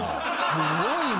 すごいね。